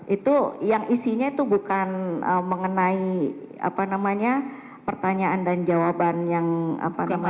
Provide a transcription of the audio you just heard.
itu yang isinya itu bukan mengenai pertanyaan dan jawaban yang apa namanya